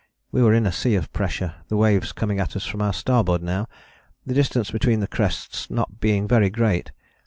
We were in a sea of pressure, the waves coming at us from our starboard bow, the distance between the crests not being very great.